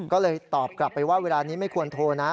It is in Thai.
ก็เลยตอบกลับไปว่าเวลานี้ไม่ควรโทรนะ